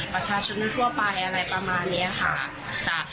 ประชาชนทั่วไปอะไรประมาณนี้ค่ะ